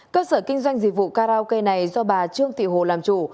cơ sở kinh doanh dịch vụ karaoke này do bà trương thị hồ làm chủ